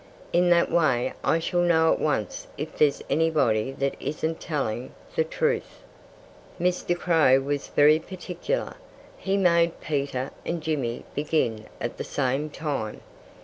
In that way I shall know at once if there's anybody that isn't telling the truth." Mr. Crow was very particular. He made Peter and Jimmy begin at the same time.